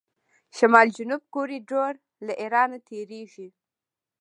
شمال جنوب کوریډور له ایران تیریږي.